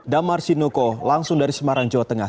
damar sinoko langsung dari semarang jawa tengah